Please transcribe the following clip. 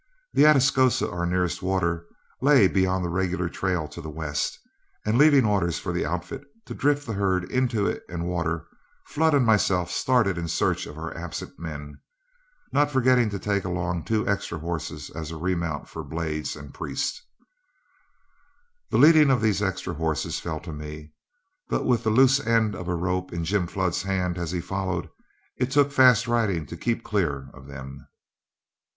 The Atascosa, our nearest water, lay beyond the regular trail to the west, and leaving orders for the outfit to drift the herd into it and water, Flood and myself started in search of our absent men, not forgetting to take along two extra horses as a remount for Blades and Priest. The leading of these extra horses fell to me, but with the loose end of a rope in Jim Flood's hand as he followed, it took fast riding to keep clear of them.